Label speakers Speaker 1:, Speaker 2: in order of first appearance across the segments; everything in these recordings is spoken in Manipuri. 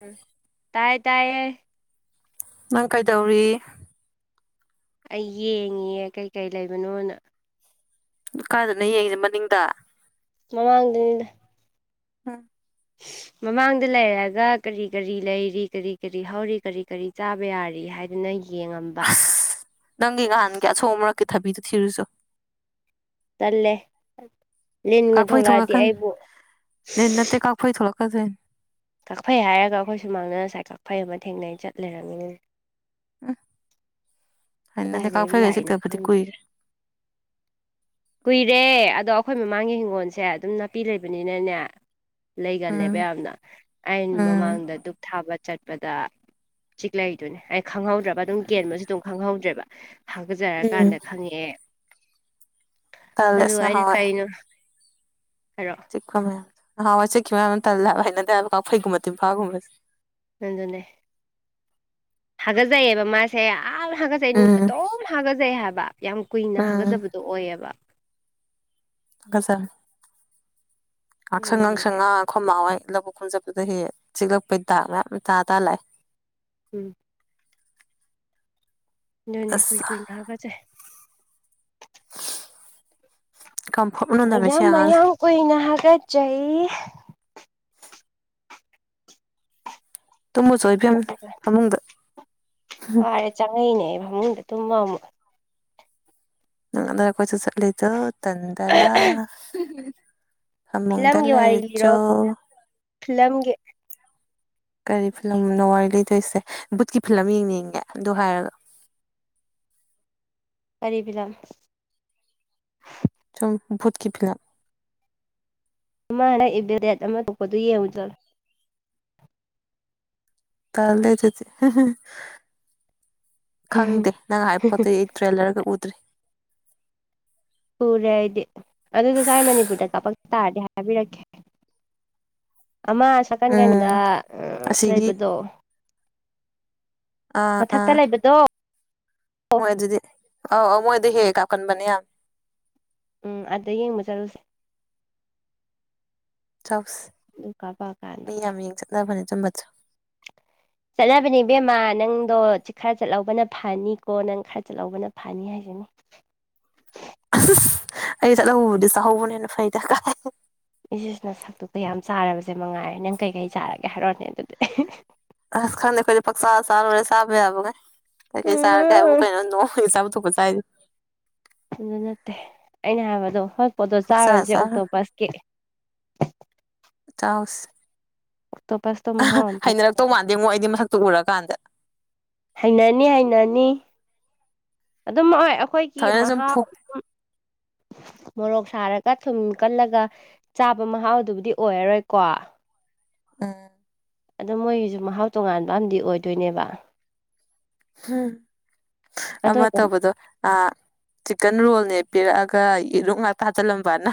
Speaker 1: ꯎꯝ ꯇꯥꯏ ꯇꯥꯏꯌꯦ
Speaker 2: ꯅꯪ ꯀꯩꯗꯧꯔꯤ
Speaker 1: ꯑꯩ ꯌꯦꯡꯉꯦ ꯀꯩ ꯀꯩ ꯂꯩꯕꯅꯣꯅ
Speaker 2: ꯀꯥꯗꯨꯅ ꯌꯦꯡꯁꯤꯦ ꯃꯅꯤꯡꯗ
Speaker 1: ꯃꯃꯥꯡꯗꯅꯤꯗ
Speaker 2: ꯎꯝ [inaudible]
Speaker 1: ꯃꯃꯥꯡꯗ ꯂꯩꯔꯒ ꯀꯔꯤ ꯀꯔꯤ ꯂꯩꯔꯤ ꯀꯔꯤ ꯀꯔꯤ ꯍꯧꯔꯤ ꯀꯔꯤ ꯀꯔꯤ ꯆꯥꯕ ꯌꯥꯔꯤ ꯍꯥꯏ ꯑꯗꯨꯅ ꯌꯦꯡꯉꯝꯕ
Speaker 2: ꯑꯁ ꯅꯪꯒꯤ ꯅꯍꯥꯟꯒꯤ ꯑꯁꯣꯡ ꯃꯔꯛꯀꯤ ꯊꯥꯕꯤꯗꯨꯣ ꯊꯤꯔꯨꯆꯣ
Speaker 1: ꯇꯟꯂꯦ
Speaker 2: ꯀꯥꯐꯩ ꯊꯣꯛꯂꯛꯀꯅꯤ ꯂꯤꯟ ꯅꯠꯇꯦ ꯀꯥꯐꯩ ꯊꯣꯛꯂꯛꯀꯗꯣꯏꯅꯤ
Speaker 1: ꯀꯛꯐꯩ ꯍꯥꯏꯔꯒ ꯑꯩꯈꯣꯏ ꯁꯨꯃꯥꯡꯅꯅ ꯉꯁꯥꯏ ꯀꯛꯐꯩ ꯑꯃ ꯊꯦꯡꯅꯩ ꯆꯠ ꯂꯩꯔꯝꯃꯤꯅ
Speaker 2: ꯎꯝ ꯑꯩꯅ
Speaker 1: ꯀꯗꯥꯏꯗ
Speaker 2: ꯂꯩꯀꯥ
Speaker 1: ꯑꯩꯕꯨ
Speaker 2: ꯐꯩꯔꯦ
Speaker 1: ꯂꯥꯛꯏꯅꯣ
Speaker 2: ꯆꯤꯛꯇꯛꯄꯗꯤ
Speaker 1: ꯈꯪꯗ꯭ꯔꯦ
Speaker 2: ꯀꯨꯏꯔꯦ
Speaker 1: ꯀꯨꯏꯔꯦ ꯑꯗꯣ ꯑꯩꯈꯣꯏ ꯃꯃꯥꯡꯒꯤ ꯍꯤꯡꯒꯣꯜꯁꯦ ꯑꯗꯨꯝ ꯅꯥꯄꯤ ꯂꯩꯕꯅꯤꯅꯅꯦ ꯂꯩꯒꯜꯂꯦꯕ
Speaker 2: ꯎꯝ
Speaker 1: ꯌꯥꯝꯅ ꯑꯩꯅ
Speaker 2: ꯎꯝ
Speaker 1: ꯃꯃꯥꯡꯗ ꯙꯛ ꯊꯥꯕ ꯆꯠꯄꯗ ꯆꯤꯛꯂꯗꯨꯅꯦ ꯑꯩ ꯈꯪꯍꯧꯗ꯭ꯔꯕ ꯑꯗꯨꯝ ꯒꯦꯟꯕꯁꯨ ꯑꯗꯨꯝ ꯈꯪꯍꯧꯗ꯭ꯔꯦꯕ
Speaker 2: ꯎꯝ
Speaker 1: ꯊꯥꯒꯠꯖꯔꯀꯥꯟꯗ ꯈꯪꯉꯛꯑꯦ
Speaker 2: ꯇꯜꯂꯦ
Speaker 1: ꯑꯗꯨ
Speaker 2: ꯑꯁ
Speaker 1: ꯑꯩꯅ
Speaker 2: ꯅꯍꯥꯟꯋꯥꯏ
Speaker 1: ꯀꯩꯅꯣ ꯍꯥꯏꯔꯛꯑꯣ
Speaker 2: ꯆꯤꯛꯄ ꯃꯌꯥꯝꯗꯦ ꯅꯍꯥꯟꯋꯥꯏ ꯆꯠꯈꯤꯕꯌꯥꯝ ꯑꯃ ꯂ ꯍꯥꯏꯅꯗꯦꯕ ꯀꯐꯩꯒꯨꯝꯕ ꯇꯤꯟꯝꯐꯥꯒꯨꯝꯕꯁꯦ
Speaker 1: ꯅꯖꯅꯦ ꯍꯥꯒꯠꯆꯩꯑꯕ ꯃꯥꯁꯦ ꯌꯥꯝ ꯍꯥꯒꯠꯆꯩ ꯅꯨꯡ
Speaker 2: ꯎꯝ
Speaker 1: ꯑꯗꯨꯝ ꯍꯥꯒꯠꯆꯩ ꯍꯥꯏꯕ ꯌꯥꯝ ꯀꯨꯏꯅ
Speaker 2: ꯎꯝ
Speaker 1: ꯍꯥꯒꯠꯆꯕꯗꯨ ꯑꯗꯨ ꯑꯣꯏꯌꯦꯕ
Speaker 2: [unintelligible] ꯉꯛꯁꯪ ꯉꯥꯡ ꯁꯪ
Speaker 1: ꯑꯗꯨꯗꯨꯒꯤ
Speaker 2: ꯉꯥꯡꯉꯒ ꯑꯈꯣꯏꯃꯥꯍꯣꯏ ꯂꯧꯕꯨꯛ ꯀꯨꯝꯆꯞꯄꯗ ꯍꯦꯛ ꯆꯤꯛꯂꯛꯄꯩ ꯗꯥꯛ ꯃꯌꯥꯝ ꯇꯥ ꯇꯥ ꯂꯛꯑꯦ
Speaker 1: ꯎꯝ ꯑꯗꯨꯅꯦ ꯀꯨꯏ
Speaker 2: ꯑꯁ
Speaker 1: ꯀꯨꯏꯅ ꯍꯥꯒꯖꯩ
Speaker 2: ꯀꯝꯐꯣꯔꯠ ꯃꯅꯝ ꯅꯝꯃꯦ ꯁꯤ
Speaker 1: ꯃꯌꯥꯝ
Speaker 2: ꯑꯉꯥꯡꯁꯦ
Speaker 1: ꯃꯌꯥꯝ ꯀꯨꯏꯅ ꯍꯥꯒꯠꯆꯩ
Speaker 2: ꯇꯨꯝꯃꯨꯆꯣ ꯏꯕꯦꯝ ꯐꯃꯨꯡꯗ
Speaker 1: ꯋꯥꯔꯦ ꯆꯪꯉꯛꯏꯅꯦ ꯐꯃꯨꯡꯗ ꯇꯨꯝꯕ ꯑꯃꯨꯛ
Speaker 2: ꯅꯪ [unintelligible] ꯀꯣꯏꯆꯠ ꯆꯠꯂꯤꯗꯨ ꯇꯟꯗꯔꯥ ꯑꯃꯨꯡꯗ
Speaker 1: ꯐꯤꯂꯝꯒꯤ ꯋꯥꯔꯤ ꯂꯤꯔꯣ
Speaker 2: ꯂꯩꯔꯨꯆꯣ
Speaker 1: ꯐꯤꯂꯝꯒꯤ
Speaker 2: ꯀꯔꯤ ꯐꯤꯂꯝꯅꯣ ꯋꯥꯔꯤ ꯂꯩꯗꯣꯏꯁꯦ ꯕꯨꯠꯀꯤ ꯐꯤꯂꯝ ꯌꯦꯡꯅꯤꯡꯒꯦ ꯑꯗꯨ ꯍꯥꯏꯔꯒ
Speaker 1: ꯀꯔꯤ ꯐꯤꯂꯝ
Speaker 2: ꯁꯨꯝ ꯚꯨꯠ ꯀꯤ ꯐꯤꯂꯝ
Speaker 1: ꯑꯃꯥ ꯏꯕꯤꯜ ꯗꯦꯠ ꯑꯃ ꯊꯣꯛꯄꯗꯨ ꯌꯦꯡꯉꯨ ꯆꯠꯂꯨ
Speaker 2: ꯇꯟꯂꯦ ꯑꯗꯨꯗꯤ [unintelligible] ꯈꯪꯗꯦ ꯅꯪ ꯍꯥꯏ ꯄꯣꯠꯇꯣ ꯇ꯭ꯔꯦꯂꯔꯒ ꯎꯗ꯭ꯔꯤ
Speaker 1: ꯎꯔꯦ ꯑꯩꯗꯤ ꯑꯗꯨꯗꯨ ꯁ꯭ꯋꯥꯏ ꯃꯅꯤꯄꯨꯔꯗ ꯀꯥꯞꯄꯛ ꯇꯥꯔꯗꯤ ꯍꯥꯏꯕꯤꯔꯛꯀꯦ ꯑꯃ ꯁꯣꯝꯀꯥꯟ ꯀꯩꯅꯣꯗ
Speaker 2: ꯎꯝ ꯑꯁꯤꯒꯤ
Speaker 1: ꯂꯩꯕꯗꯣ
Speaker 2: ꯑꯥ
Speaker 1: ꯃꯊꯛꯇ
Speaker 2: ꯑꯥ
Speaker 1: ꯂꯩꯕꯗꯣ
Speaker 2: ꯃꯣꯏ ꯑꯗꯨꯗꯤ ꯃꯣꯏ ꯑꯗꯨꯗꯤ ꯍꯦꯛ ꯍꯦꯛ ꯀꯥꯞꯀꯟꯕꯅꯦ ꯌꯥꯝ
Speaker 1: ꯎꯝ ꯑꯗ ꯌꯦꯡꯕ ꯆꯠꯂꯨꯁꯦ
Speaker 2: ꯆꯧꯁꯦ
Speaker 1: ꯑꯗꯨ ꯀꯥꯞꯄꯛꯑꯀꯥꯟꯗ
Speaker 2: ꯃꯤ ꯌꯥꯝ ꯌꯦꯡ ꯆꯠꯅꯕꯅꯦ ꯆꯨꯝꯕꯁꯨ
Speaker 1: ꯆꯠꯅꯕꯅꯦ ꯏꯕꯦꯝꯃ ꯅꯪꯗꯣ ꯈꯔ ꯆꯠꯍꯧꯕꯅ ꯐꯅꯤꯀꯣ ꯅꯪ ꯈꯔ ꯆꯠꯍꯧꯕꯅ ꯐꯅꯤ ꯍꯥꯏꯁꯤꯅꯤ
Speaker 2: [unintelligible] ꯑꯩ ꯆꯠꯍꯧꯕꯕꯨꯗꯤ ꯆꯥꯍꯧꯕꯅꯦꯅ ꯐꯩꯗ ꯀꯥꯏ
Speaker 1: ꯏꯆꯁꯤꯅ ꯅꯁꯛꯇꯨꯒ ꯌꯥꯝ ꯆꯥꯔꯕꯁꯦ ꯃꯉꯥꯏꯔꯦ ꯅꯪ ꯀꯩꯀꯩ ꯆꯥꯔꯒꯦ ꯍꯥꯏꯔꯛꯅꯦ ꯑꯗꯨꯗꯤ [unintelligible]
Speaker 2: ꯑ ꯈꯪꯗ ꯈꯣꯏꯗꯤ ꯄꯡꯆꯥ ꯆꯥꯔꯒꯂꯣꯏꯔꯦ ꯆꯥꯕ ꯌꯥꯕꯒꯩ ꯀꯩꯀꯩ ꯆꯥꯔꯒꯦ ꯍꯥꯏꯕꯨ ꯀꯩꯅꯣ ꯅꯣꯡꯃꯒꯤ ꯆꯥꯕꯝ ꯊꯣꯛꯄ ꯆꯥꯏꯗꯨꯅꯤ
Speaker 1: ꯑꯗꯨ ꯅꯠꯇꯦ ꯑꯩꯅ ꯍꯥꯏꯕꯗꯣ ꯍꯣꯏ ꯄꯣꯠꯇꯣ
Speaker 2: ꯄꯨꯡꯆꯥ
Speaker 1: ꯆꯥꯔꯨꯔꯁꯦ
Speaker 2: [unintelligible]
Speaker 1: ꯑꯣꯛꯇꯣꯄꯁꯀꯤ
Speaker 2: ꯆꯥꯎꯁꯦ
Speaker 1: ꯑꯣꯛꯇꯣꯄꯆꯇꯣ
Speaker 2: [unintelligible] ꯍꯩꯅꯔꯛꯇꯧ ꯃꯥꯟꯗꯦ ꯉꯣ ꯑꯩꯗꯤ ꯃꯁꯛꯇꯨ ꯎꯔꯀꯥꯟꯗ
Speaker 1: ꯍꯩꯅꯅꯤ ꯍꯩꯅꯅꯤ ꯑꯗꯨꯝꯣꯏ ꯑꯩꯈꯣꯏꯒꯤ
Speaker 2: ꯊꯑꯣꯏꯅ ꯁꯨꯝ
Speaker 1: ꯃꯍꯥꯎ
Speaker 2: ꯐꯨ
Speaker 1: ꯑꯗꯨꯝ
Speaker 2: [inaudible]
Speaker 1: ꯃꯣꯔꯣꯛ ꯁꯥꯔꯒ ꯊꯨꯝ ꯀꯜꯂꯒ ꯆꯥꯕ ꯃꯍꯥꯎꯗꯨꯕꯨꯗꯤ ꯑꯣꯏꯔꯔꯣꯏꯀꯣ
Speaker 2: ꯎꯝ
Speaker 1: ꯑꯗꯣ ꯃꯣꯏꯒꯤꯁꯨ ꯃꯍꯥꯎ ꯇꯣꯉꯥꯟꯕ ꯑꯝ ꯑꯣꯏꯗꯣꯏꯅꯦꯕ
Speaker 2: ꯎꯝ
Speaker 1: ꯑꯗꯣ
Speaker 2: ꯑꯃ
Speaker 1: ꯑꯗꯨꯝ
Speaker 2: ꯇꯧꯕꯗꯣ ꯆꯤꯀꯟ ꯔꯣꯜꯅꯦ ꯄꯤꯔꯛꯑꯒ ꯌꯦꯔꯨꯛ ꯉꯥꯛ ꯊꯥꯖꯤꯜꯂꯝꯕꯅ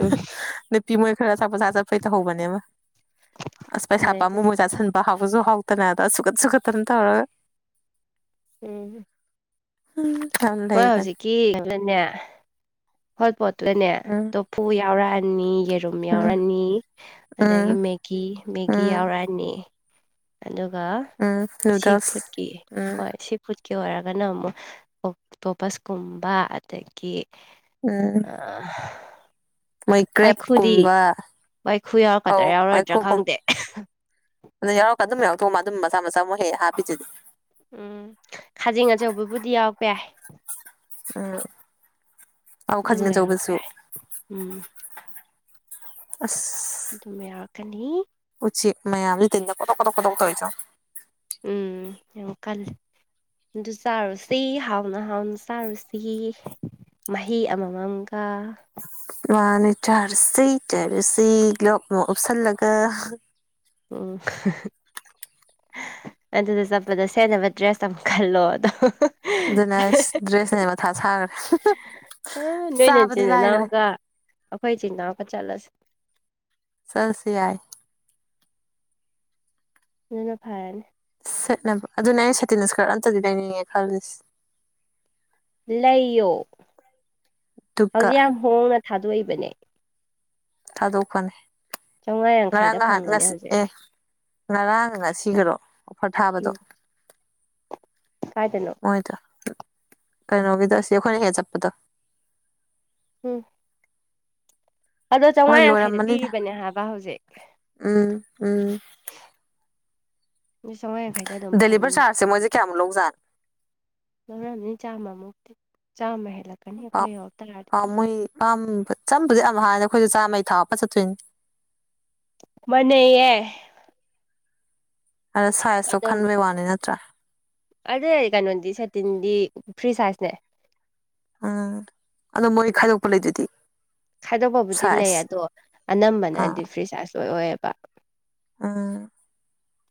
Speaker 1: ꯎꯝ
Speaker 2: ꯅꯨꯄꯤ ꯃꯣꯏ ꯈꯔ ꯑꯆꯥꯄꯣꯠ ꯆꯥ ꯆꯠꯄꯩ ꯇꯧꯍꯧꯕꯅꯦ ꯑꯃ ꯑꯁ ꯄꯩꯁꯥ
Speaker 1: ꯐꯔꯦ ꯑꯗꯨ
Speaker 2: ꯄꯥꯝꯃꯨꯕ ꯆꯥꯥꯁꯟꯕ ꯍꯥꯎꯕꯁꯨ ꯍꯥꯎꯇꯅ ꯑꯗꯣ ꯁꯨꯨꯀꯠ ꯁꯨꯈꯠꯇꯅ ꯇꯧꯔꯒ
Speaker 1: ꯎꯝ-
Speaker 2: ꯌꯥꯝ
Speaker 1: ꯃꯣꯏ
Speaker 2: ꯂꯩꯕꯅꯦ
Speaker 1: ꯍꯧꯖꯤꯛꯀꯤ [unintelligible] ꯍꯣꯠ ꯄꯣꯠꯇꯨꯗꯅꯦ
Speaker 2: ꯎꯝ
Speaker 1: ꯇꯣꯐꯨ ꯌꯥꯎꯔꯛꯑꯅꯤ ꯔꯨꯝ
Speaker 2: ꯎꯝ
Speaker 1: ꯌꯥꯎꯔꯛꯑꯅꯤ ꯑꯗꯒꯤ
Speaker 2: ꯎꯝ
Speaker 1: ꯃꯦꯒꯤ ꯃꯦꯒꯤ
Speaker 2: ꯎꯝ
Speaker 1: ꯌꯥꯎꯔꯛꯑꯅꯤ ꯑꯗꯨꯒ
Speaker 2: ꯎꯝ
Speaker 1: ꯁꯤ
Speaker 2: ꯅꯨꯗꯜꯁ
Speaker 1: ꯐꯨꯗꯀꯤ
Speaker 2: ꯎꯝ
Speaker 1: ꯍꯣꯏ ꯁꯤ ꯐꯨꯠꯀꯤ ꯑꯣꯏꯔꯒꯅ ꯑꯃꯨꯛ ꯑꫭꯛꯇꯣꯄꯁꯀꯨꯝꯕ ꯑꯗꯒꯤ
Speaker 2: ꯎꯝ
Speaker 1: ꯑ
Speaker 2: ꯃꫭꯏ ꯀ꯭ꯔꯦꯞ ꯀꯨꯝꯕ
Speaker 1: ꯋꯥꯏꯈꯨ
Speaker 2: ꯑꯧ
Speaker 1: ꯌꯥꯎꯔꯛꯀꯗ꯭ꯔꯥ ꯌꯥꯎꯔꯣꯏꯗ꯭ꯔꯥ
Speaker 2: ꯋꯥꯏꯈꯨ ꯒꯨꯝꯕ
Speaker 1: ꯈꯪꯗꯦ
Speaker 2: ꯑꯗꯨ ꯌꯥꯎꯔꯛꯒ ꯑꯗꯨꯝ ꯌꯥꯎꯊꯣꯛꯃ ꯑꯗꯨꯝ ꯃꯆꯥ ꯃꯆꯥ ꯃꯨꯛ ꯍꯦꯛ ꯍꯥꯞꯄꯤꯁꯤꯗꯤ
Speaker 1: ꯎꯝ ꯈꯥꯖꯤꯡ ꯑꯆꯧꯕꯕꯨꯗꯤ ꯌꯥꯎꯔꯛꯄ ꯌꯥꯏ
Speaker 2: ꯎꯝ ꯑ
Speaker 1: ꯑꯗꯨꯝꯕ ꯌꯥꯎꯔꯛꯄ
Speaker 2: ꯈꯖꯤꯅꯆꯧꯕꯁꯨ
Speaker 1: ꯌꯥꯏ ꯎꯝ
Speaker 2: ꯑꯁ
Speaker 1: ꯑꯗꯨꯝ ꯌꯥꯔꯛꯀꯅꯤ
Speaker 2: ꯎꯆꯦꯛ ꯃꯌꯥꯝ ꯇꯤꯟꯗꯥ ꯇꯣꯛ ꯇꯣ ꯆꯣ
Speaker 1: ꯎꯝ ꯌꯥꯝ ꯀꯜꯂꯤ ꯑꯗꯨ ꯆꯥꯔꯨꯁꯤ ꯍꯥꯎꯅ ꯍꯥꯎꯅ ꯆꯥꯔꯨꯁꯤ ꯃꯍꯤ ꯑꯃꯃꯝꯒ
Speaker 2: ꯃꯥꯅꯦ ꯆꯔꯁꯤ ꯇꯔꯁꯤ ꯂ ꯃ ꯑꯣꯞꯁꯜꯂꯒ
Speaker 1: ꯑꯣ ꯑꯗꯨꯗ ꯆꯠꯄꯗ ꯁꯦꯠꯟꯅꯅꯕ ꯗ꯭ꯔꯦꯁ ꯑꯃ ꯈꯜꯂꯣ ꯑꯗꯣ
Speaker 2: ꯑꯗꯨꯅ ꯑꯩ ꯗ꯭ꯔꯦꯁꯅꯦ ꯃꯊꯥ ꯁꯥꯈ꯭ꯔꯦ
Speaker 1: ꯅꯣꯏ
Speaker 2: ꯆꯥꯕꯗꯤ
Speaker 1: ꯅꯆꯤꯟ
Speaker 2: ꯂꯥꯏꯈ꯭ꯔꯦ
Speaker 1: ꯅꯅꯥꯎꯒ ꯑꯩꯈꯣꯏ ꯏꯆꯤꯟ ꯏꯅꯥꯎꯒꯥ ꯆꯠꯂꯁꯦ
Speaker 2: ꯆꯔꯁꯤ ꯌꯥꯏ
Speaker 1: ꯑꯗꯨꯅ ꯐꯔꯅꯤ
Speaker 2: ꯁꯦꯠꯅꯦꯕ ꯑꯗꯨꯅ ꯑꯩꯅ ꯁꯇꯤꯟꯤꯁꯒꯔ ꯑꯝꯇꯗꯤ ꯂꯩꯅꯤꯡꯉꯦ ꯈꯜꯜꯂꯤꯁꯦ
Speaker 1: ꯂꯩꯌꯣ
Speaker 2: ꯗꯨꯒ
Speaker 1: ꯍꯧꯖꯤꯛ ꯌꯥꯝ ꯍꯣꯡꯅ ꯊꯥꯗꯣꯛꯏꯕꯅꯦ
Speaker 2: ꯊꯥꯗꯣꯛ ꯐꯅꯤ
Speaker 1: ꯆꯥꯝꯃꯉꯥ
Speaker 2: ꯉꯔꯥꯡ
Speaker 1: ꯌꯥꯡꯈꯩꯗ
Speaker 2: ꯉꯍꯥꯟ
Speaker 1: ꯐꯪꯕꯅꯦ
Speaker 2: ꯉꯁꯤ
Speaker 1: ꯍꯧꯖꯤꯛ
Speaker 2: ꯑꯦ ꯉꯔꯥꯡ ꯉ ꯁꯤꯈꯔꯣ ꯑꯣꯐꯔ ꯊꯥꯕꯗꯣ
Speaker 1: ꯎꯝ ꯀꯥꯏꯗꯅꯣ
Speaker 2: ꯃꯣꯏꯗ ꯀꯩꯅꯣꯒꯤꯗ ꯁꯤ ꯑꯩꯈꯣꯏꯅ ꯍꯦꯛ ꯆꯠꯄꯗꯣ
Speaker 1: ꯎꯝ ꯑꯗꯣ
Speaker 2: ꯃꯣꯏ
Speaker 1: ꯆꯥꯝꯃꯉꯥ ꯌꯥꯡꯈꯩꯗ
Speaker 2: ꯂꯣꯏꯔꯝꯃꯅꯤꯗ
Speaker 1: ꯄꯤꯔꯤꯕꯅꯦ ꯍꯥꯏꯕ ꯍꯧꯖꯤꯛ
Speaker 2: ꯎꯝ ꯎꯝ
Speaker 1: ꯑꯗꯨ ꯆꯥꯋꯥꯥ ꯌꯥꯡꯈꯩꯗ ꯑꯗꯨꯝ
Speaker 2: ꯗꯦꯂꯤꯚꯔ
Speaker 1: ꯐꯪꯅꯤ
Speaker 2: [unintelligible]
Speaker 1: ꯅꯤ ꯆꯥꯃꯃꯨ ꯆꯥꯃ ꯍꯦꯜꯂꯝ
Speaker 2: ꯄꯥꯎ ꯃꯣꯏ ꯄꯥꯝꯕ ꯆꯝꯕꯗꯤ ꯌꯥꯝ ꯍꯥꯏꯅꯤ ꯑꯩꯈꯣꯏꯁꯨ ꯆꯥꯝꯃꯩ ꯊꯥꯎꯄ ꯆꯠꯇꯣꯏꯅꯤ
Speaker 1: ꯃꯅꯩꯌꯦ
Speaker 2: ꯑꯗ ꯁꯥꯏꯁꯇꯣ ꯈꯟꯕꯩ ꯋꯥꯅꯤ ꯅꯠꯇ꯭ꯔꯥ
Speaker 1: ꯑꯗꯨ ꯀꯩꯅꯣꯗꯤ ꯁꯦꯇꯤꯟꯗꯤ ꯐ꯭ꯔꯤ ꯁꯥꯏꯖꯅꯦ
Speaker 2: ꯎꯝ ꯑꯗꯣ ꯃꯣꯏ ꯈꯥꯏꯗꯣꯛꯄ ꯂꯩꯗꯨꯗꯤ
Speaker 1: ꯈꯥꯏꯗꯣꯛꯄꯕꯨꯗꯤ ꯂꯩ
Speaker 2: ꯁꯥꯏꯖ
Speaker 1: ꯑꯗꯣ
Speaker 2: ꯑꯥ
Speaker 1: ꯑꯅꯝꯕꯅꯗꯤ ꯐ꯭ꯔꯤꯆꯥꯔꯖ ꯑꯣꯏ ꯑꯣꯏꯌꯦꯕ
Speaker 2: ꯎꯝ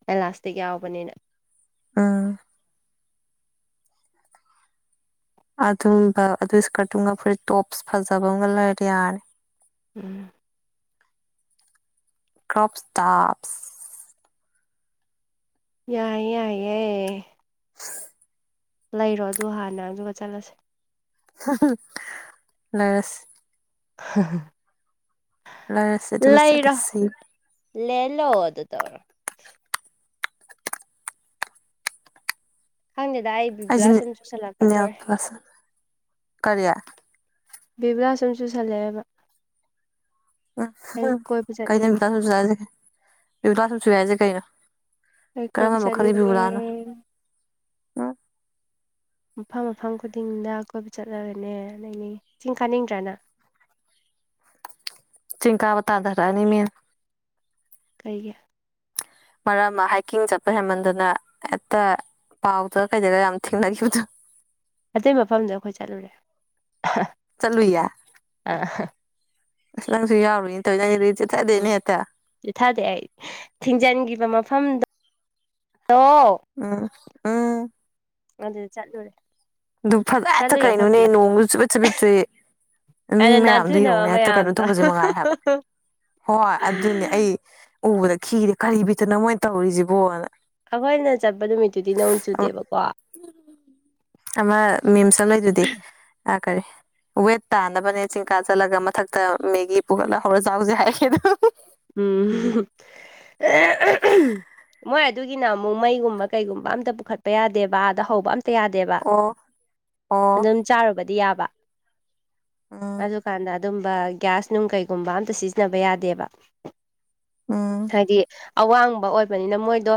Speaker 1: ꯑꯦꯂꯥꯁꯇꯤꯛ ꯌꯥꯎꯕꯅꯤꯅ
Speaker 2: ꯎꯝ ꯑꯗꯨꯝꯕ ꯑꯗꯨ ꯏꯁꯀꯔꯠꯇꯨꯒ ꯐꯨꯔꯤ ꯇꯣꯞꯁ ꯐꯖꯕ ꯑꯃꯒ ꯂꯩꯔ ꯌꯥꯔꯦ
Speaker 1: ꯎ
Speaker 2: ꯀ꯭ꯔꯣꯞ ꯏꯁꯇꯥꯞꯁ
Speaker 1: ꯌꯥꯏ ꯌꯥꯏ ꯌꯥꯌꯦ
Speaker 2: ꯍ
Speaker 1: ꯂꯩꯔꯣ ꯑꯗꯨ ꯍꯥꯟꯅ ꯑꯗꯨꯒ ꯆꯠꯂꯁꯦ
Speaker 2: ꯍꯥ ꯍꯥ ꯂꯩꯔꯁꯤ ꯂꯩꯔꯁꯤ ꯑꯗꯨꯒ
Speaker 1: ꯂꯩꯔ
Speaker 2: ꯆꯠꯂꯁꯤ
Speaker 1: ꯂꯦ ꯂꯣ ꯑꯗꯨ ꯇꯧꯔꯣ ꯈꯪꯗꯦꯗ ꯑꯩ
Speaker 2: ꯑꯩꯁꯦ
Speaker 1: ꯕꯤꯕꯂꯥꯁ ꯁꯨꯝ ꯆꯨꯁꯜꯂꯛꯀꯗꯣꯔꯦ
Speaker 2: ꯀꯔꯤꯌꯥ
Speaker 1: ꯕꯦꯕ꯭ꯔꯥꯁ ꯑꯃ ꯆꯨꯁꯜꯂꯛꯑꯦꯕ ꯑꯩ
Speaker 2: ꯎ
Speaker 1: ꯀꯣꯏꯕ
Speaker 2: ꯀꯩꯅ
Speaker 1: ꯆꯠꯅꯤꯡꯉꯦ
Speaker 2: ꯕꯨꯗꯥꯁꯨ ꯁꯁꯦ ꯕꯨꯗꯥꯁꯨꯁꯨ ꯌꯥꯏꯁꯦ ꯀꯩꯅ
Speaker 1: ꯑꯩ ꯀꯣꯏꯕ
Speaker 2: ꯀꯔ ꯃꯈꯗꯤꯕꯤ
Speaker 1: ꯆꯠꯅꯤꯡꯉꯦ
Speaker 2: ꯔꯥꯅ
Speaker 1: ꯃꯐꯝ ꯃꯐꯝ ꯈꯨꯗꯤꯡꯗ ꯀꯣꯏꯕ ꯆꯠꯂꯔꯦꯅꯦ ꯑꯅꯦ ꯆꯁꯤꯡ ꯈꯥꯅꯤꯡꯗ꯭ꯔꯅ
Speaker 2: ꯆꯤꯡꯀꯥꯋꯥꯠꯇ ꯑꯗꯔꯅꯤꯃꯤ
Speaker 1: ꯀꯩꯦ
Speaker 2: ꯃꯔꯝ ꯑꯃ ꯍꯥꯏꯀꯤꯡ ꯆꯠꯄ ꯍꯦꯟꯃꯟꯗꯨꯅ ꯍꯦꯛꯇ ꯄꯥꯎ ꯇ ꯀꯩꯗꯤꯒ ꯌꯥꯝ ꯑꯃ ꯊꯦꯡꯅꯈꯤꯕ
Speaker 1: ꯑꯇꯩ ꯃꯐꯝꯗ ꯑꯩꯈꯣꯏ ꯆꯠꯂꯨꯔꯦ
Speaker 2: ꯆꯠꯂꯨꯌꯦ
Speaker 1: ꯑꯥ
Speaker 2: ꯑꯁ ꯅꯪꯁꯨ ꯌꯥꯎꯔꯨꯏꯅꯦ ꯇꯧꯅꯗꯤ ꯆꯠꯊꯗꯦꯅꯦ ꯍꯦꯛꯇ
Speaker 1: ꯠ ꯊꯥꯗꯦ ꯑꯩ ꯊꯤꯡꯖꯤꯟꯈꯤꯕ ꯃꯐꯝꯗꯣꯣ
Speaker 2: ꯑ ꯑꯥ
Speaker 1: ꯑꯗꯨ ꯆꯠꯂꯨꯔꯦ
Speaker 2: ꯗꯨ ꯐ ꯑꯦꯠꯇ
Speaker 1: ꯆꯠꯂꯨꯏ ꯑꯩꯈꯣꯏ
Speaker 2: ꯀꯥꯏꯅꯅꯦ
Speaker 1: ꯄꯨꯂꯞ
Speaker 2: ꯅꯣꯡ ꯄꯨ ꯃꯤ
Speaker 1: ꯑꯩꯅ
Speaker 2: ꯃꯌꯥꯝꯗꯨꯣ
Speaker 1: ꯅꯥꯟꯊꯨꯅꯕ
Speaker 2: ꯌꯦꯡꯅꯦ ꯍꯦꯛꯇ ꯀꯩꯅꯣ
Speaker 1: ꯃꯌꯥꯝꯗꯣ
Speaker 2: ꯇꯧꯕꯁꯦ ꯃꯉꯥꯏꯔ ꯍꯥꯏꯕ ꯍꯣꯏ ꯑꯗꯨꯅꯦ ꯑꯩ ꯎꯕꯗ ꯈꯤꯗꯦ ꯀꯔꯤ ꯄꯤꯠꯇꯅ ꯃꯣꯏꯅ ꯇꯧꯔꯤꯁꯤꯕꯣꯅ
Speaker 1: ꯑꯩꯈꯣꯏꯅ ꯆꯠꯄ ꯅꯨꯃꯤꯠꯇꯨꯗꯤ ꯅꯣꯡ ꯆꯨꯗꯦꯕꯀꯣ
Speaker 2: ꯑꯃ ꯃꯤꯝꯁ ꯑꯃ ꯂꯩꯗꯨꯗꯤ ꯑꯥ ꯀꯔꯤ ꯋꯦꯠ ꯇꯥꯅꯕꯅꯦ ꯆꯤꯡꯀꯥ ꯆꯠꯂꯒ ꯃꯊꯛꯇ ꯃꯦꯒꯤ ꯄꯨꯈꯠꯂ ꯍꯧꯔ ꯆꯥꯎꯁꯦ ꯍꯥꯏꯒꯦꯗ
Speaker 1: ꯎꯝ ꯃꯣꯏ ꯑꯗꯨꯒꯤꯅ ꯑꯃꯨꯛ ꯃꯩꯒꯨꯝꯕ ꯀꯩꯒꯨꯝꯕ ꯑꯝꯇ ꯄꯨꯈꯠꯄ ꯌꯥꯗꯦꯕꯕꯥ ꯑꯗꯥ ꯍꯧꯕ ꯑꯝ ꯌꯥꯗꯦꯕ
Speaker 2: ꯑꯣ ꯑꯣ
Speaker 1: ꯑꯗꯨꯝ ꯆꯥꯔꯨꯕꯗꯤ ꯌꯥꯕ
Speaker 2: ꯎꯝ
Speaker 1: ꯑꯗꯨꯀꯥꯟꯗ ꯑꯗꯨꯝꯕ ꯒ꯭ꯌꯥꯁ ꯅꯨꯡ ꯀꯩꯒꯨꯝꯕ ꯑꯝꯇ ꯁꯤꯖꯤꯟꯅꯕ ꯌꯥꯗꯦꯕ
Speaker 2: ꯎꯝ
Speaker 1: ꯍꯥꯏꯗꯤ ꯑꯋꯥꯡꯕ ꯑꯣꯏꯕꯅꯤꯅ ꯃꯣꯏꯗꯣ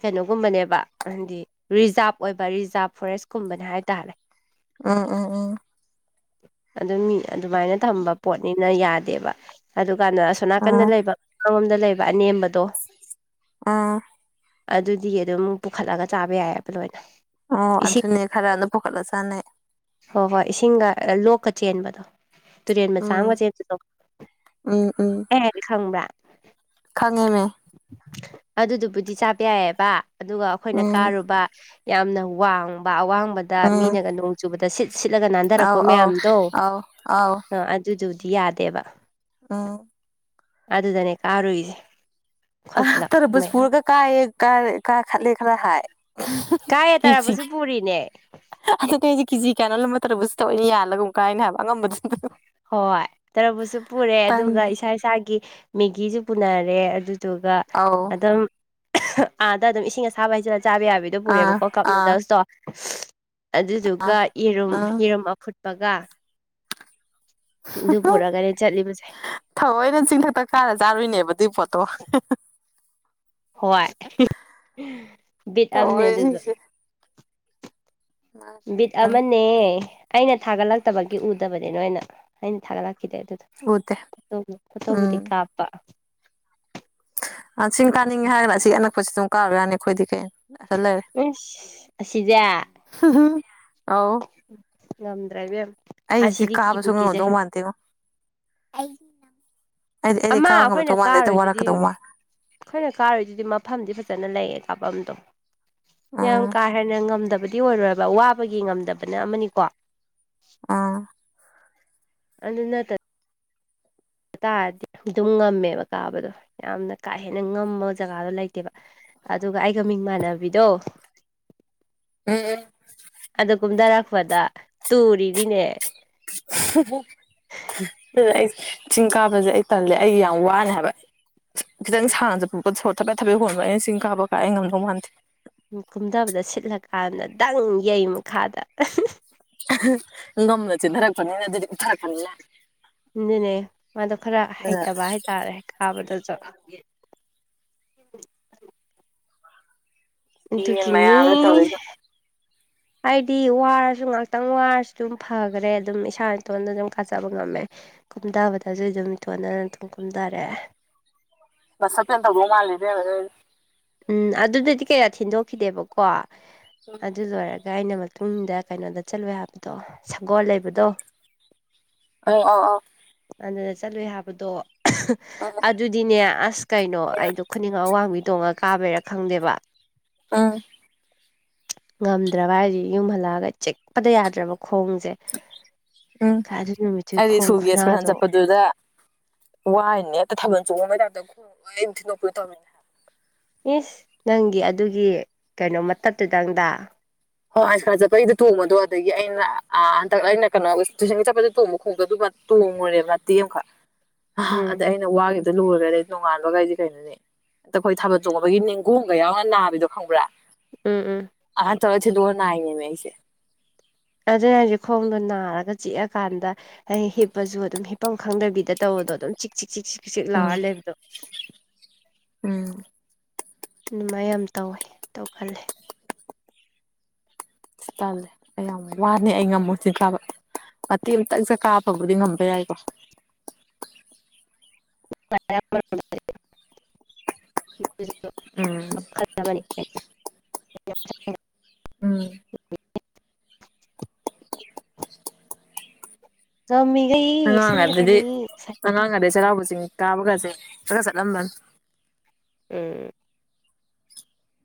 Speaker 1: ꯀꯩꯅꯣꯒꯨꯝꯕꯅꯦꯕ ꯍꯥꯏꯗꯤ ꯔꯤꯖꯥꯚ ꯑꯣꯏꯕ ꯔꯤꯖꯥꯚ ꯐꯣꯔꯦꯁ ꯀꯨꯝꯕꯅꯦ ꯍꯥꯏꯇꯥꯔꯦ
Speaker 2: ꯎꯝ ꯎꯝ ꯎꯝ
Speaker 1: ꯑꯗꯨꯝ ꯃꯤ ꯑꯗꯨꯃꯥꯏꯅ ꯊꯝꯕ ꯄꯣꯠꯅꯤꯅ ꯌꯥꯗꯦꯕ ꯑꯗꯨꯀꯥꯟꯗ ꯑ ꯀꯟꯅ
Speaker 2: ꯎꯝ
Speaker 1: ꯂꯩꯕ ꯑꯃꯉꯣꯝꯗ ꯂꯩꯕ ꯑꯅꯦꯝꯕꯗꯣ
Speaker 2: ꯑꯥ
Speaker 1: ꯑꯗꯨꯗꯤ ꯑꯗꯨꯝ ꯄꯨꯈꯠꯂꯒ ꯆꯥꯕ ꯌꯥꯏꯑꯕ ꯂꯣꯏꯅ
Speaker 2: ꯑꯣ
Speaker 1: ꯏꯁꯤꯡ
Speaker 2: ꯑꯗꯨꯅꯦ ꯈꯔ ꯅꯕꯨꯛ ꯈꯔꯥ ꯆꯥꯅꯦ
Speaker 1: ꯍꯣꯏ ꯍꯣꯏ ꯏꯁꯤꯡꯒ ꯂꯣꯛꯀ ꯆꯦꯟꯕꯗꯣ ꯇꯨꯔꯦꯟ ꯃꯆꯥ ꯑꯃꯒ
Speaker 2: ꯎꯝ
Speaker 1: ꯆꯦꯟꯕꯗꯣ
Speaker 2: ꯎꯝ
Speaker 1: ꯑꯩ ꯍꯥꯏꯁꯤ ꯈꯪꯕ꯭ꯔꯥ
Speaker 2: ꯈꯪꯉꯤꯃꯦ
Speaker 1: ꯑꯗꯨꯗꯨꯕꯨꯗꯤ ꯆꯥꯕ ꯌꯥꯏꯌꯦꯕ ꯑꯗꯨꯒ ꯑꯩꯈꯣꯏꯅ
Speaker 2: ꯎꯝ
Speaker 1: ꯀꯥꯔꯨꯕ ꯌꯥꯝꯅ ꯋꯥꯡꯕ ꯑꯋꯥꯡꯕꯗ
Speaker 2: ꯎꯝ
Speaker 1: ꯃꯤꯅꯒ ꯅꯣꯡ ꯆꯨꯕꯗ ꯁꯤꯠ ꯁꯤꯠꯂꯒ ꯅꯥꯟꯊꯔꯛꯄ
Speaker 2: ꯑꯥꯎ ꯑꯥꯎ
Speaker 1: ꯃꯌꯥꯝꯗꯣ
Speaker 2: ꯑꯥꯎ ꯑꯥꯎ
Speaker 1: ꯑ ꯑꯗꯨꯗꯨꯗꯤ ꯌꯥꯗꯦꯕ
Speaker 2: ꯑ
Speaker 1: ꯑꯗꯨꯗꯅꯦ ꯀꯥꯔꯨꯏꯖꯦ
Speaker 2: ꯑ ꯇꯔꯕꯨꯁ ꯄꯨꯔꯒ ꯀꯥꯌꯦ ꯀ ꯀꯥ ꯈꯠꯂꯦ ꯈꯔ ꯍꯥꯏ
Speaker 1: ꯀꯥꯏꯌꯦ ꯇꯥꯔꯕꯨꯁꯁꯨ ꯄꯨꯔꯤꯅꯦ
Speaker 2: ꯑꯗꯨꯗꯤ ꯑꯩꯗꯤ ꯀꯤꯖꯤ ꯀꯌꯥꯅꯣꯝ ꯂꯨꯝꯕ ꯇꯔꯕꯨꯁꯇꯣ ꯌꯥꯜꯂꯒ ꯃꯨꯛ ꯀꯥꯏꯅꯦ ꯍꯥꯏꯕ ꯑꯉꯝꯕꯗꯨ
Speaker 1: ꯍꯣꯏ ꯇꯔꯕꯨꯁꯁꯨ ꯄꯨꯔꯦ
Speaker 2: ꯇꯟ
Speaker 1: ꯑꯗꯨꯒ ꯏꯁꯥ ꯏꯁꯥꯒꯤ ꯃꯦꯒꯤꯁꯨ ꯄꯨꯅꯔꯦ ꯑꯗꯨꯗꯨꯒ
Speaker 2: ꯑꯧ
Speaker 1: ꯑꯗꯨꯝ ꯑꯥꯗ ꯑꯗꯨꯝ ꯏꯁꯤꯡ ꯑꯁꯥꯕ ꯍꯩꯖꯤꯜꯂ ꯆꯥꯕ ꯌꯥꯕꯤꯗꯣ
Speaker 2: ꯑꯥ
Speaker 1: ꯄꯨꯔꯦꯕꯀꯣ ꯀꯞ
Speaker 2: ꯑꯥ
Speaker 1: ꯅꯨꯗꯜꯁꯇꯣ ꯑꯗꯨꯗꯨꯒ ꯌꯦꯔꯨꯝ
Speaker 2: ꯎꯝ
Speaker 1: ꯌꯦꯔꯨꯝ ꯑꯐꯨꯠꯄꯒ ꯑꯗꯨ ꯄꯨꯔꯒꯅꯦ ꯆꯠꯂꯤꯕꯁꯦ
Speaker 2: ꯊꯑꯣꯏꯅ ꯆꯤꯡꯊꯛꯇꯛ ꯀꯥꯔ ꯆꯥꯔꯨꯏꯅꯦꯕ ꯗꯨꯏ ꯄꯣꯠꯇꯣ
Speaker 1: ꯍꯣꯏ ꯕꯤꯠ ꯑꯅꯦ ꯑꯗꯨꯁꯨ
Speaker 2: ꯇꯧꯔꯤꯁꯤꯡꯁꯦ
Speaker 1: ꯕꯤꯠ ꯑꯃꯅꯦ ꯑꯩꯅ ꯊꯥꯒꯠꯂꯛꯇꯕꯒꯤ ꯎꯗꯕꯅꯤ ꯅꯣꯏꯅ ꯑꯩꯅ ꯊꯥꯒꯠꯂꯛꯈꯤꯗꯦ ꯑꯗꯨꯏꯗꯨ
Speaker 2: ꯎꯗꯦ
Speaker 1: ꯐꯣꯇꯣ ꯐꯣꯇꯣꯕꯨꯗꯤ
Speaker 2: ꯎꯝ
Speaker 1: ꯀꯥꯞꯄ
Speaker 2: ꯑ ꯆꯤꯡ ꯀꯥꯅꯤꯡꯉꯦ ꯍꯥꯏꯔꯒ ꯑꯁꯤ ꯑꯅꯛꯄꯁꯤ ꯁꯨꯝ ꯀꯥꯔꯨ ꯌꯥꯅꯤ ꯑꯩꯈꯣꯏꯗꯤ ꯀꯩ
Speaker 1: ꯏꯁ ꯑꯁꯤꯖꯦ
Speaker 2: ꯑꯧ
Speaker 1: ꯉꯝꯗ꯭ꯔꯦ ꯏꯕꯦꯝ
Speaker 2: ꯑꯩꯖꯤ
Speaker 1: ꯑꯁꯤꯗꯤ
Speaker 2: ꯀꯥꯕ
Speaker 1: ꯀꯤꯕꯨ
Speaker 2: ꯁꯨꯉꯝ
Speaker 1: ꯀꯤꯖꯩ
Speaker 2: ꯉꯝꯗꯧ ꯃꯥꯟꯗꯦꯉꯣ ꯑꯩꯗꯤ ꯑꯩꯗꯤ
Speaker 1: ꯑꯃ
Speaker 2: ꯀꯥꯕ
Speaker 1: ꯑꯩꯈꯣꯏꯅ
Speaker 2: ꯉꯝꯗꯧ ꯃꯥꯟꯗꯦ ꯑꯗꯨꯝ
Speaker 1: ꯀꯥꯔꯣꯏꯗꯨꯗꯤ
Speaker 2: ꯋꯥꯔꯛꯀꯗꯧ ꯃꯥꯜ
Speaker 1: ꯑꯩꯈꯣꯏꯅ ꯀꯥꯔꯨꯏꯗꯨꯗꯤ ꯃꯐꯝꯗꯤ ꯐꯖꯅ ꯂꯩꯌꯦ ꯀꯥꯐꯝꯗꯣ ꯌꯥꯝ
Speaker 2: ꯎꯝ
Speaker 1: ꯀꯥ ꯍꯦꯟꯅ ꯉꯝꯗꯕꯗꯤ ꯑꯣꯏꯔꯣꯏꯕ ꯋꯥꯕꯒꯤ ꯉꯝꯗꯕꯅ ꯑꯃꯅꯤꯀꯣ
Speaker 2: ꯎꯝ
Speaker 1: ꯑꯗꯨ ꯅꯠꯇ ꯇꯥꯔꯗꯤ ꯑꯗꯨꯝ ꯉꯝꯃꯦꯕ ꯀꯥꯕꯗꯣ ꯌꯥꯝꯅ ꯀꯥ ꯍꯦꯟꯅ ꯉꯝꯕ ꯖꯒꯥꯗꯣ ꯂꯩꯇꯦꯕ ꯑꯗꯨꯒ ꯑꯩꯒ ꯃꯤꯡ ꯃꯥꯟꯅꯕꯤꯗꯣ
Speaker 2: ꯎꯝ
Speaker 1: ꯑꯗꯨ ꯀꯨꯝꯗꯔꯛꯄꯗ ꯇꯨꯔꯤꯅꯤꯅꯦ
Speaker 2: ꯑꯩ ꯆꯤꯡ ꯀꯥꯕꯁꯦ ꯑꯩ ꯇꯜꯂꯦ ꯑꯩ ꯌꯥꯝ ꯋꯥꯅꯦ ꯍꯥꯏꯕ ꯈꯤꯗꯪ ꯁꯥꯡꯅꯥ ꯆꯠꯄꯗꯣ ꯁꯣꯔ ꯊꯕꯦ ꯊꯕꯦ ꯍꯣꯟꯕ ꯑꯩꯅ ꯆꯤꯡꯕ ꯀꯥꯏ ꯑꯩ ꯉꯝꯗꯧ ꯃꯥꯟꯗꯦ
Speaker 1: ꯀꯨꯝꯊꯕꯗ ꯁꯤꯠꯂꯀꯥꯟꯗ ꯗꯪ ꯌꯩ ꯃꯈꯥꯗ
Speaker 2: ꯑꯍꯥ ꯉꯝꯃꯥ ꯆꯤꯟꯅꯊꯔꯛꯄꯅꯤꯅ ꯑꯗꯨ
Speaker 1: ꯑꯗꯨꯅꯦ ꯃꯥꯗꯣ ꯈꯔ
Speaker 2: ꯑꯗꯨꯅ
Speaker 1: ꯍꯩꯇꯕ ꯍꯥꯏꯇꯥꯔꯦ ꯀꯥꯕꯗꯨꯁꯨ
Speaker 2: ꯌꯦꯟ ꯃꯌꯥꯝꯗꯨꯅ
Speaker 1: ꯑꯗꯨꯒꯤꯅꯤ
Speaker 2: ꯇꯧꯔꯤꯁꯦ ꯌꯦꯡꯎ
Speaker 1: ꯍꯥꯏꯗꯤ ꯋꯥꯔꯁꯨ ꯉꯥꯛꯇꯪ ꯋꯥꯔꯁꯨ ꯑꯗꯨꯝ ꯐꯈ꯭ꯔꯦ ꯑꯗꯨꯝ ꯏꯁꯥ ꯏꯇꯣꯟꯗ ꯑꯗꯨꯝ ꯀꯥꯖꯕ ꯉꯝꯃꯦ ꯀꯨꯝꯊꯕꯗꯁꯨ ꯑꯗꯨꯝ ꯏꯇꯣꯟꯗꯅ ꯑꯗꯨꯝ ꯀꯨꯝꯗꯔꯦ
Speaker 2: ꯃꯁꯜ ꯄꯦꯟ ꯇꯧꯗꯧ ꯃꯥꯜꯂꯦ ꯏꯕꯦꯝꯃꯥ
Speaker 1: ꯎꯝ ꯑꯗꯨꯗꯗꯤ ꯀꯌꯥ ꯊꯤꯟꯗꯣꯛꯈꯤꯗꯦꯕꯀꯣ
Speaker 2: ꯎꯝ
Speaker 1: ꯑꯗꯨ ꯂꯣꯏꯔꯒ ꯑꯩꯅ ꯇꯨꯡꯗ ꯀꯩꯅꯣꯗ ꯆꯠꯂꯨꯏ ꯍꯥꯏꯕꯗꯣ ꯁꯒꯣꯜ ꯂꯩꯕꯗꯣ
Speaker 2: ꯑꯩ ꯑꯣ ꯑꯣ
Speaker 1: ꯑꯗꯨꯗ ꯆꯠꯂꯨꯏ ꯍꯥꯏꯕꯗꯣ
Speaker 2: ꯑꯧ ꯎꯝ
Speaker 1: ꯑꯗꯨꯗꯤꯅꯦ ꯑꯁ ꯀꯩꯅꯣ ꯑꯩꯗꯣ ꯈꯨꯠ ꯅꯤꯡ ꯑꯋꯥꯡꯕꯤ ꯇꯣꯡꯉ ꯀꯥꯕꯩꯔꯥ ꯈꯪꯗꯦꯕ
Speaker 2: ꯑꯥ
Speaker 1: ꯉꯝꯗ꯭ꯔꯕ ꯍꯥꯏꯖꯦ ꯌꯨꯝ ꯍꯜꯂꯛꯑꯒ ꯆꯤꯛꯄꯗ ꯌꯥꯗ꯭ꯔꯕ ꯈꯣꯡꯖꯦ
Speaker 2: ꯎꯝ ꯑꯩꯗꯤ
Speaker 1: ꯈꯣꯡ
Speaker 2: ꯏ꯭ꯁꯀꯨꯜꯒꯤ ꯑꯁꯀꯔꯁꯜ
Speaker 1: ꯈꯨꯅꯥꯗꯣ
Speaker 2: ꯆꯠꯄ ꯑꯗꯨꯗ ꯋꯥꯏꯅꯦ ꯍꯦꯛꯇ ꯊꯥꯕꯜ ꯆꯣꯡꯉꯨꯕꯩ ꯇꯥꯞ ꯈꯣꯡꯝ ꯊꯤꯟꯗꯣꯛꯄꯤ ꯇꯧꯃꯤꯅꯦ
Speaker 1: ꯏꯁ ꯅꯪꯒꯤ ꯑꯗꯨꯒꯤ ꯀꯩꯅꯣ ꯃꯇꯠꯗꯨꯨꯗꯪꯗ
Speaker 2: ꯍꯣꯏ ꯑꯁꯀꯥꯁꯟ ꯆꯠꯄꯩꯗ ꯇꯣꯡꯕꯗꯣ ꯑꯗꯒꯤ ꯑꯩꯅ ꯑ ꯍꯟꯗꯛ ꯑꯩꯅ ꯀꯩꯅꯣ ꯇꯨꯏꯁꯟꯒꯤ ꯆꯠꯄꯗ ꯇꯣꯡꯕ ꯈꯣꯡꯎꯞꯂꯣ ꯑꯗꯨ ꯇꯣꯡꯉꯨꯔꯦ ꯃꯇꯦꯛ ꯑꯃꯈꯛ
Speaker 1: ꯎꯝ
Speaker 2: ꯑꯗ ꯑꯩꯅ ꯋꯥꯒꯤ ꯂꯣꯏꯒꯔꯦ ꯅꯣꯡꯉꯥꯟꯕ ꯑꯩꯗꯤ ꯀꯩꯅꯣꯅꯦ ꯑꯇ ꯑꯩꯈꯣꯏ ꯊꯥꯕꯜ ꯆꯣꯡꯕꯒꯤ ꯅꯤꯡꯒꯣꯡꯒ ꯌꯥꯎꯅ ꯅꯥꯕꯤꯗꯣ ꯈꯪꯕ꯭ꯔꯥ
Speaker 1: ꯎꯝ ꯎꯝ
Speaker 2: ꯇꯥ ꯊꯤꯟꯗꯣꯛꯑ ꯅꯥꯏꯅꯦꯃꯤ ꯑꯩꯁꯦ
Speaker 1: ꯑꯗꯨꯅꯦ ꯍꯥꯏꯁꯦ ꯈꯣꯡꯗꯣ ꯅꯥꯔꯒ ꯆꯤꯛꯑꯀꯥꯟꯗ ꯍꯥꯏ ꯍꯤꯞꯄꯁꯨ ꯑꯗꯨꯝ ꯍꯤꯞꯄꯝ ꯈꯪꯗꯕꯤꯗ ꯇꯧꯕꯗꯣ ꯑꯗꯨꯝ ꯆꯤꯛ-ꯆꯤꯛ ꯆꯤꯛ-ꯆꯤꯛ ꯆꯤꯛ ꯂꯥꯎꯔ
Speaker 2: ꯎꯝ
Speaker 1: ꯂꯩꯕꯗꯣ
Speaker 2: ꯎꯝ
Speaker 1: ꯎꯃ ꯃꯌꯥꯝ ꯇꯧꯋꯦ ꯇꯧꯈꯠꯂꯦ
Speaker 2: ꯁꯤ ꯇꯜꯂꯦ ꯑꯩꯌꯥꯝ ꯋꯥꯅꯦ ꯑꯩ ꯉꯝꯃꯣꯏ ꯆꯤꯡ ꯀꯥꯕ ꯃꯇꯦꯛ ꯑꯝꯇꯪ ꯆ ꯀꯥꯕꯕꯨꯗꯤ ꯉꯝꯕ ꯌꯥꯏꯀꯣ ꯎꯝ
Speaker 1: ꯅꯤ [inaudible] [unintelligible]
Speaker 2: ꯎꯝ
Speaker 1: ꯆꯥꯎ ꯃꯤꯒꯩ
Speaker 2: ꯑꯉꯥꯡꯑꯣꯏꯉꯥꯏꯗꯗꯤ ꯑꯉꯥꯡꯒꯗꯤ ꯆꯩꯔꯥꯎꯕꯆꯤꯡ ꯀꯥꯕꯒꯁꯦ ꯄꯪꯆꯠ ꯆꯠꯂꯝꯕꯅꯤ
Speaker 1: ꯎꯝ